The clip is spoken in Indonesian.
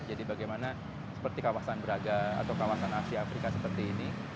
jadi bagaimana seperti kawasan braga atau kawasan asia afrika seperti ini